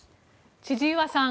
千々岩さん